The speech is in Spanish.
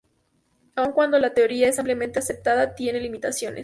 Aun cuando la teoría es ampliamente aceptada, tiene limitaciones.